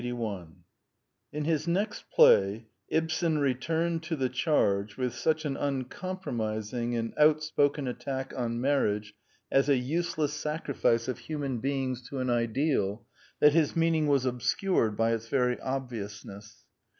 Ghosts I88I In his next play, Ibsen returned to the charge with such an uncompromising and outspoken at tack on marriage as a useless sacrifice of human beings to an ideal, that his meaning was obscured by its very obviousness.